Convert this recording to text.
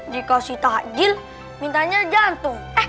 jika si tak hajil mintanya jantung